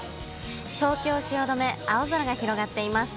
東京・汐留、青空が広がっています。